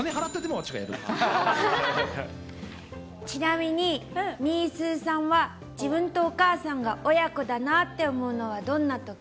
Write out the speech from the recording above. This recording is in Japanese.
ちなみに、みーすーさんは、自分とお母さんが親子だなって思うのはどんなとき？